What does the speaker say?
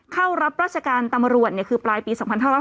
เข้ารับราชการตำรวจคือปลายปี๒๕๖๒